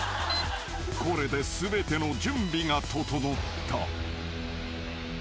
［これで全ての準備が整った］